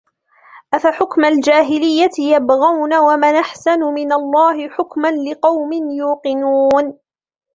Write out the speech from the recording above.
أَفَحُكْمَ الْجَاهِلِيَّةِ يَبْغُونَ وَمَنْ أَحْسَنُ مِنَ اللَّهِ حُكْمًا لِقَوْمٍ يُوقِنُونَ